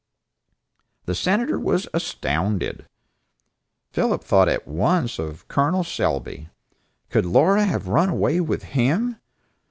The Senator was astounded. Philip thought at once of Col. Selby. Could Laura have run away with him?